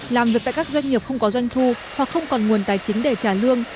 làm việc tại các doanh nghiệp không có doanh thu hoặc không còn nguồn tài chính để trả lương